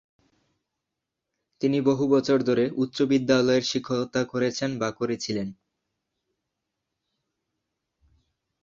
তিনি বহু বছর ধরে উচ্চ বিদ্যালয়ের শিক্ষকতা করেছেন বা করেছিলেন।